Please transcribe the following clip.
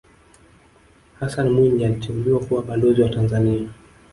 hassan mwinyi aliteuliwa kuwa balozi wa tanzania